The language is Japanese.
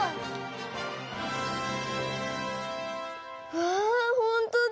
わあほんとだ。